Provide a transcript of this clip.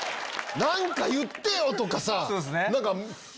何か言ってよ！とかさ。